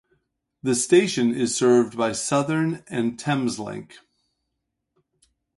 The station is served by Southern and Thameslink.